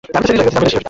শ্বাস নাও, আর ছাড়ো!